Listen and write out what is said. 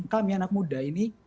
kami anak muda ini